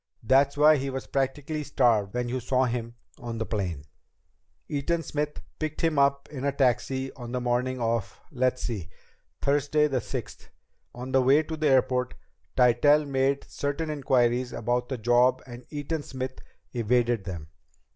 That's why he was practically starved when you saw him on the plane. "Eaton Smith picked him up in a taxi on the morning of let's see Thursday the sixth. On the way to the airport, Tytell made certain inquiries about the job and Eaton Smith evaded them.